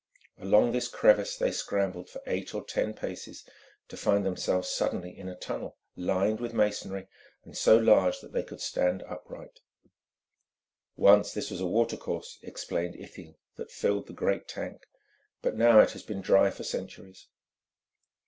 Along this crevice they scrambled for eight or ten paces, to find themselves suddenly in a tunnel lined with masonry, and so large that they could stand upright. "Once it was a watercourse," explained Ithiel, "that filled the great tank, but now it has been dry for centuries."